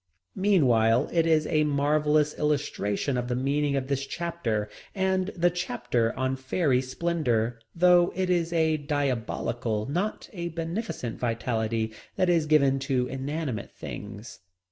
Meanwhile it is a marvellous illustration of the meaning of this chapter and the chapter on Fairy Splendor, though it is a diabolical not a beneficent vitality that is given to inanimate things.